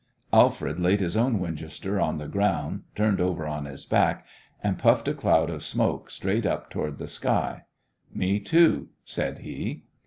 Alfred laid his own Winchester on the ground, turned over on his back, and puffed a cloud of smoke straight up toward the sky. "Me, too," said he.